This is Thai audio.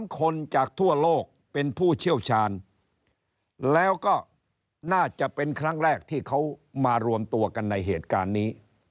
คนจากทั่วโลกเป็นผู้เชี่ยวชาญแล้วก็น่าจะเป็นครั้งแรกที่เขามารวมตัวกันในเหตุการณ์นี้